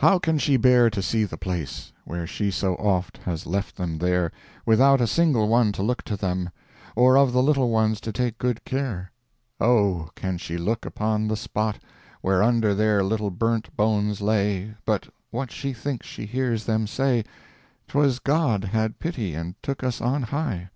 How can she bear to see the place, Where she so oft has left them there, Without a single one to look to them, Or of the little ones to take good care. Oh, can she look upon the spot, Where under their little burnt bones lay, But what she thinks she hears them say, "Twas God had pity, and took us on high."